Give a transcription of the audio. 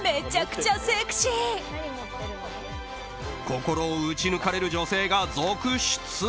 心を撃ち抜かれる女性が続出。